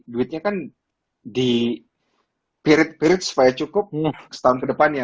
duitnya kan dipirit pirit supaya cukup setahun ke depannya